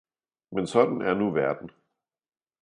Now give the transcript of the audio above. Men sådan er nu verden!